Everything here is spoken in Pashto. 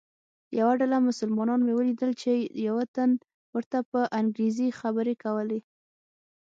یوه ډله مسلمانان مې ولیدل چې یوه تن ورته په انګریزي خبرې کولې.